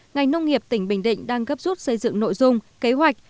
ngành nông nghiệp tỉnh bình định đang gấp rút xây dựng nội dung kế hoạch